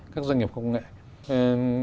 các doanh nghiệp khoa học công nghệ